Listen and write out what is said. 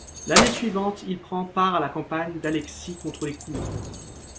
L'année suivante, il prend part à la campagne d'Alexis contre les Coumans.